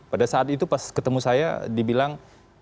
pada saat itu pas ketemu saya dibilang